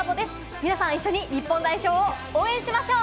皆さん、一緒に日本代表を応援しましょう！